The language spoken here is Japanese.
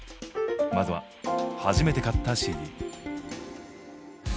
まずは初めて買ったＣＤ。